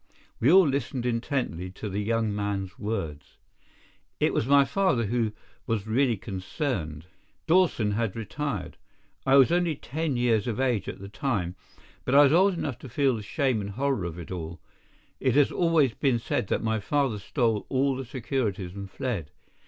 We all listened intently to the young man's words. "It was my father who was really concerned. Dawson had retired. I was only ten years of age at the time, but I was old enough to feel the shame and horror of it all. It has always been said that my father stole all the securities and fled.